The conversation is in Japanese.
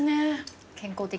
健康的。